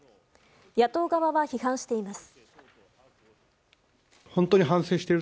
野党側は批判しています。